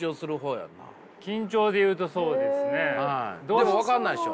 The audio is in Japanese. でも分からないっしょ？